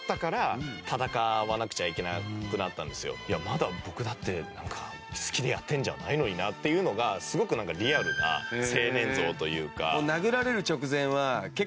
まだ僕だってなんか好きでやってるんじゃないのになっていうのがすごくなんかリアルな青年像というか。